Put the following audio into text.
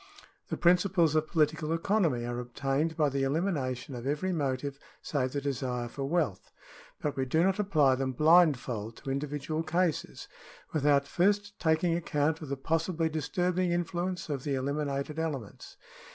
The principles of political economy are obtained by the elimination of every motive save the desire for wealth ; but we do not apply them blindfold to individual cases, with out first taking account of the possibly disturbing influence of the eliminated elements.